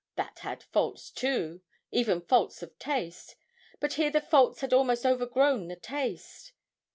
That had faults, too, even faults of taste but here the faults had almost overgrown the taste!